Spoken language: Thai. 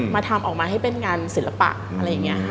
มาทำออกมาให้เป็นงานศิลปะอะไรอย่างนี้ค่ะ